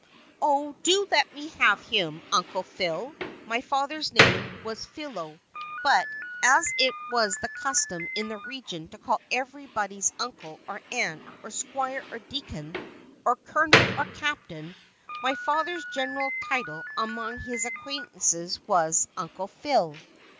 "Oh, do let me have him, Uncle Phile" (my father's name was Philo; but, as it was the custom in that region to call everybody uncle, or aunt, or squire, or deacon, or colonel, or captain, my father's general title among his acquaintances was "Uncle Phile").